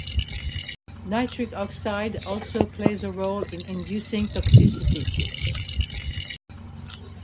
Nitric oxide also plays a role in inducing toxicity.